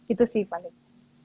itu sih paling